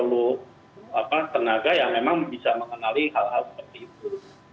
atau tenaga yang memang bisa mengenali hal hal seperti itu